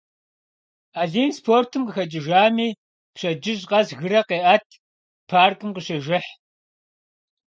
Алим спортым къыхэкӏыжами, пщэдджыжь къэс гырэ къеӏэт, паркым къыщежыхь.